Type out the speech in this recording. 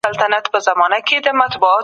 کوچیان د خپلواک ژوند کولو توان لري.